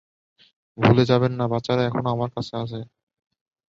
ভুলে যাবেন না, বাচ্চারা এখনো আমার কাছে আছে।